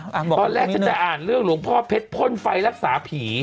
ตอนแรกฉันจะอ่านเรื่องหลวงพ่อเพชรพ่นไฟรักษาผี